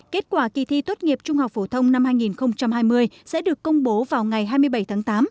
kết quả kỳ thi tốt nghiệp trung học phổ thông năm hai nghìn hai mươi sẽ được công bố vào ngày hai mươi bảy tháng tám